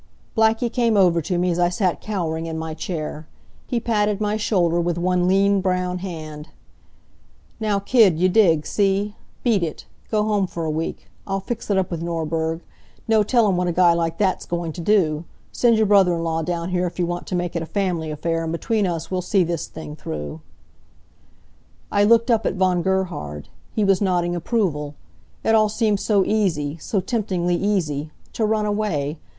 Blackie came over to me as I sat cowering in my chair. He patted my shoulder with one lean brown hand. "Now kid, you dig, see? Beat it. Go home for a week. I'll fix it up with Norberg. No tellin' what a guy like that's goin' t' do. Send your brother in law down here if you want to make it a family affair, and between us, we'll see this thing through." I looked up at Von Gerhard. He was nodding approval. It all seemed so easy, so temptingly easy. To run away!